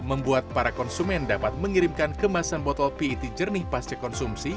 membuat para konsumen dapat mengirimkan kemasan botol pet jernih pasca konsumsi